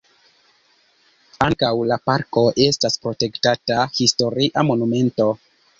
Ankaŭ la parko estas protektata historia monumento.